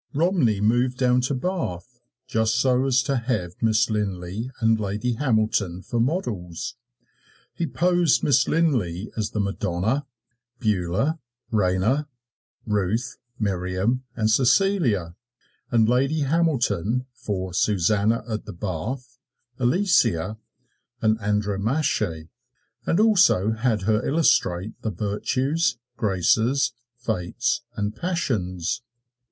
Romney moved down to Bath just so as to have Miss Linlay and Lady Hamilton for models. He posed Miss Linlay as the Madonna, Beulah, Rena, Ruth, Miriam and Cecilia; and Lady Hamilton for Susannah at the Bath, Alicia and Andromache, and also had her illustrate the Virtues, Graces, Fates and Passions.